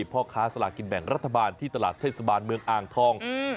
พ่อค้าสลากินแบ่งรัฐบาลที่ตลาดเทศบาลเมืองอ่างทอง